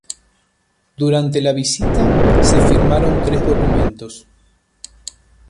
Durante la visita se firmaron tres documentos.